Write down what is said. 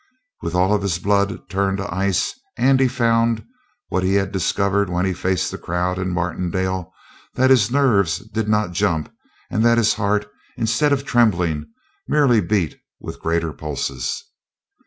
With all of his blood turned to ice, Andy found, what he had discovered when he faced the crowd in Martindale, that his nerves did not jump and that his heart, instead of trembling, merely beat with greater pulses.